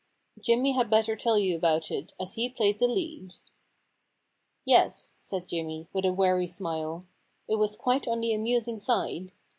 Jimmy had better tell you about it, as he played the lead.* * Yes,' said Jimmy, with a weary smile, * it was quite on the amusing side.